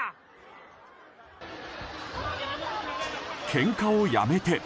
けんかをやめて！